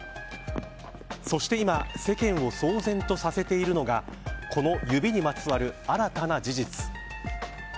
そして今世間を騒然とさせているのがこの指にまつわる新たな事実。